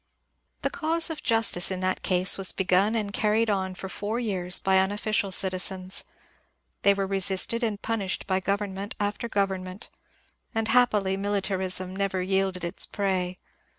The cause of justice in that case was begun and carried on for four years by unofficial citizens ; they were resisted and punished by goverment after government ; and happily Mili tarism never yielded its prey.